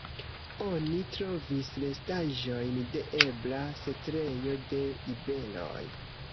Oni trovis restaĵojn de ebla setlejo de iberoj.